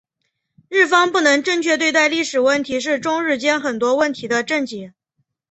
日方不能正确对待历史问题是中日间很多问题的症结。